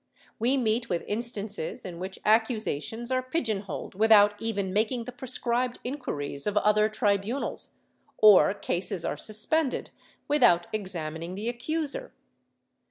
AA^e meet with instances in which accusations are pigeon holed without even making the prescribed inquiries of other tribunals, or cases are suspended without examining the accuser.